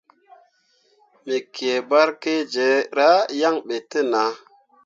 Me kǝǝ barkakkera yan ɓe te nah.